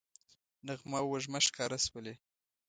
نغمه او وږمه ښکاره شولې